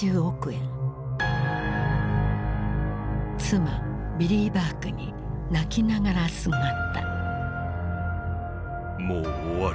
妻ビリー・バークに泣きながらすがった。